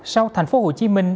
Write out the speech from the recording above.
sau thành phố hồ chí minh